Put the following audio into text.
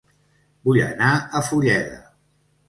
Vull anar a Fulleda